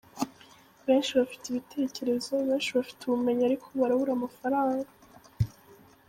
Benshi bafite ibitekerezo, benshi bafite ubumenyi ariko barabura amafaranga.